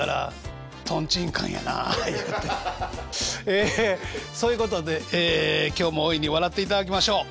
ええそういうことで今日も大いに笑っていただきましょう。